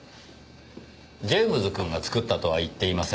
ジェームズくんが作ったとは言っていません。